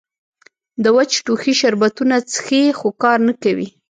د وچ ټوخي شربتونه څښي خو کار نۀ کوي